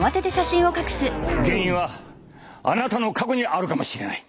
原因はあなたの過去にあるかもしれない。